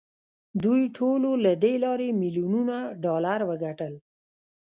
دوی ټولو له دې لارې میلیونونه ډالر وګټل